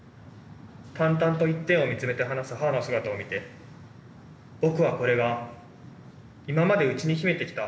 淡々と一点を見つめて話す母の姿を見て僕はこれが今まで内に秘めてきた母の本音のように思えた。